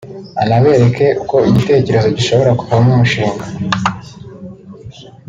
anabereke uko igitekerezo gishobora kuvamo umushinga